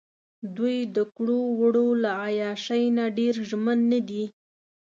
دوۍ دکړو وړو له عیاشۍ نه ډېر ژمن نه دي.